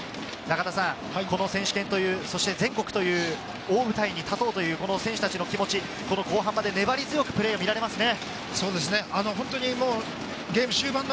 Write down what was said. この選手権という、そして全国という大舞台に立とうという選手たちの気持ち、後半まで粘り強くプレーが見られますね。